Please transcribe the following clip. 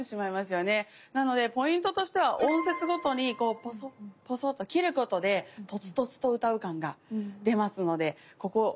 なのでポイントとしては音節ごとにポソっポソっと切ることでとつとつと歌う感が出ますのでここ注意しながら。